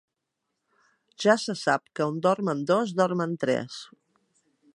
Ja se sap que on dormen dos dormen tres.